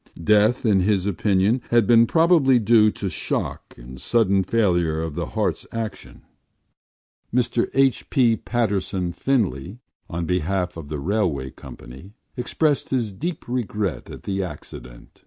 Death, in his opinion, had been probably due to shock and sudden failure of the heart’s action. Mr H. B. Patterson Finlay, on behalf of the railway company, expressed his deep regret at the accident.